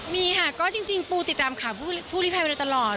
มีค่ะก็จริงปูติดตามผู้หลีภัยไปตลอด